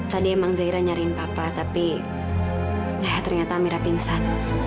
tadi emang zaira nyariin papa tapi ternyata mira pingsan